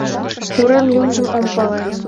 Урем лӱмжым ом пале.